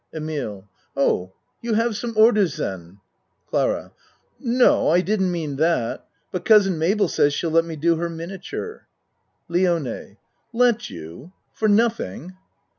EMILE Oh, you have some orders, zen? CLARA No I didn't mean that. But Cousin Mabel says she'll let me do her miniature. LIONE Let you? For nothing?